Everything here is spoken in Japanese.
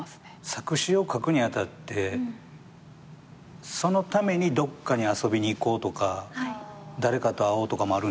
作詞を書くに当たってそのためにどっかに遊びに行こうとか誰かと会おうとかもあるんですか？